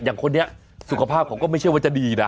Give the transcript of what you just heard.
อย่างคนนี้สุขภาพเขาก็ไม่ใช่ว่าจะดีนะ